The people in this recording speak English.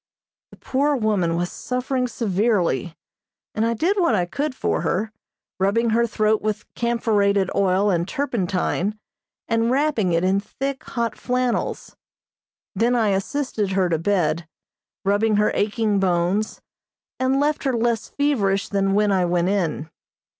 The poor woman was suffering severely, and I did what I could for her, rubbing her throat with camphorated oil and turpentine and wrapping it in thick, hot flannels. Then I assisted her to bed, rubbing her aching bones, and left her less feverish than when I went in.